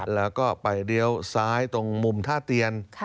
แล้วก็ไปเลี้ยวซ้ายตรงมุมท่าเตียน